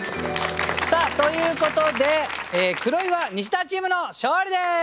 さあということで黒岩ニシダチームの勝利です！